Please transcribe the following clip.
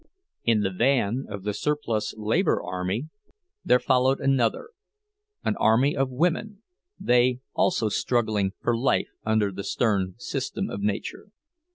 In the van of the surplus labor army, there followed another, an army of women, they also struggling for life under the stern system of nature.